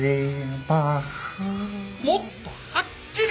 もっとはっきり！